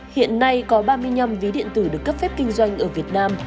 hiện nay có ba mươi năm ví điện tử được cấp phép kinh doanh ở việt nam